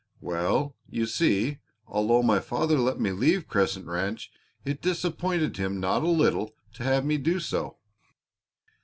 "Well, you see, although my father let me leave Crescent Ranch it disappointed him not a little to have me do so.